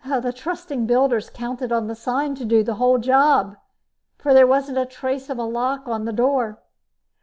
The trusting builders counted on the sign to do the whole job, for there wasn't a trace of a lock on the door.